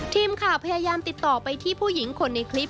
ทีมข่าวพยายามติดต่อไปที่ผู้หญิงคนในคลิป